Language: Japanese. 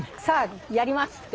「さあやります！」